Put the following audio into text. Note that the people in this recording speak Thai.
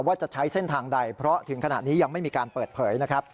ว่าจะใช้เส้นทางใดเพราะถึงขณะนี้ยังไม่มีการเปิดเผยนะครับ